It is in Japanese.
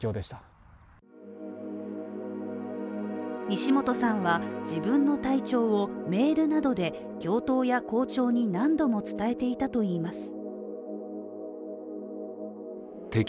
西本さんは自分の体調をメールなどで教頭や校長に何度も伝えていたといいます。